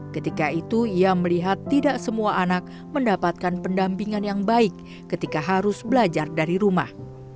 ketika itu ia melihat tidak semua anak mendapatkan pendampingan yang baik ketika harus belajar dari rumah